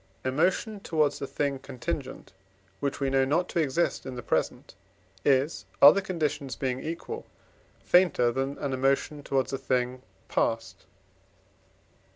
Emotion towards a thing contingent, which we know not to exist in the present, is, other conditions being equal, fainter than an emotion towards a thing past.